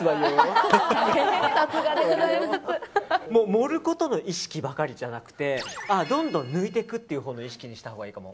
盛ることの意識ばかりじゃなくてどんどん抜いていくという意識のほうにしたほうがいいかも。